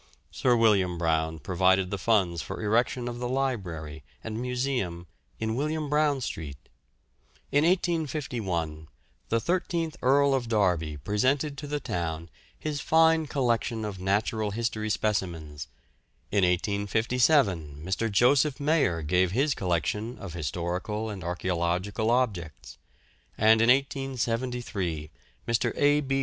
Sir William Brown provided the funds for erection of the Library and Museum in William Brown Street. In 1851 the thirteenth Earl of Derby presented to the town his fine collection of natural history specimens; in 1857 Mr. Joseph Mayer gave his collection of historical and archæological objects, and in 1873 Mr. A. B.